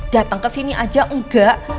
datang ke sini aja enggak